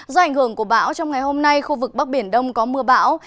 do ảnh hưởng của bão trong ngày hôm nay khu vực bắc biển đông có mưa bão